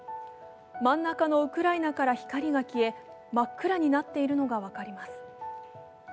真ん中のウクライナから光が消え真っ暗になっているのが分かります。